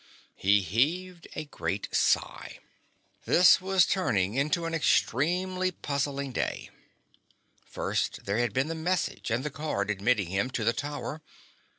He heaved a great sigh. This was turning into an extremely puzzling day. First there had been the message and the card admitting him to the Tower.